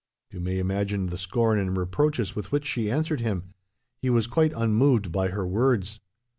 You may imagine the scorn and reproaches with which she answered him. He was quite unmoved by her words.